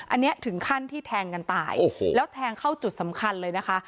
อันนี้ถึงขั้นที่แทงกันตายโอ้โหแล้วแทงเข้าจุดสำคัญเลยนะคะ